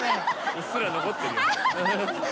うっすら残ってるよ。